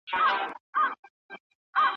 که ټرافیک وي نو لاره نه بندیږي.